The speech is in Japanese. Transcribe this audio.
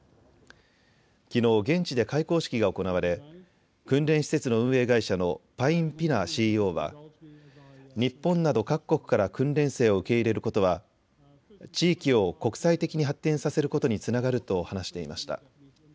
きのう現地で開講式が行われ訓練施設の運営会社のパイン・ピナＣＥＯは日本など各国から訓練生を受け入れることは地域を国際的に発展させることにつながると話していました。